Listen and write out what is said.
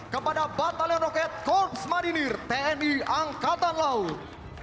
kepada batalion roket korps baridir tni angkatan laut